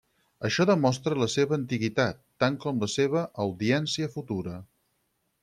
Això demostra la seva antiguitat, tant com la seva audiència futura.